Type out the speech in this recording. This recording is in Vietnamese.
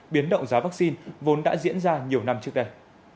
biến động giá vaccine vốn đã diễn ra nhiều năm trước đây